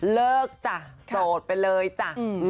เลิกจ้ะโสดไปเลยจ้ะ